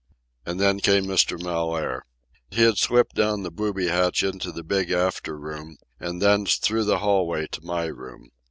And then came Mr. Mellaire. He had slipped down the booby hatch into the big after room and thence through the hallway to my room.